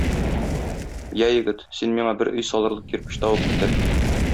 Йә, егет, син миңа бер өй салырлык кирпеч табып китер.